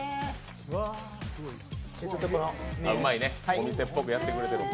うまいね、お店っぽくやってくれてるわ。